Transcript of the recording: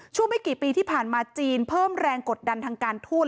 ไม่กี่ปีที่ผ่านมาจีนเพิ่มแรงกดดันทางการทูต